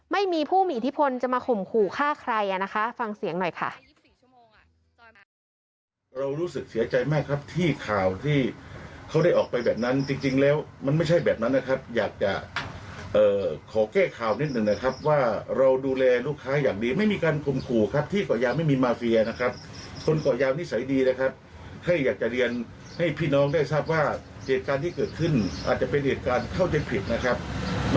ไม่มีผู้มีอิทธิพลจะมาข่มขู่ฆ่าใครนะคะฟังเสียงหน่อยค่ะ